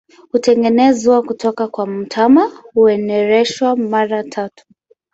Hutengenezwa kutoka kwa mtama, hunereshwa mara tatu.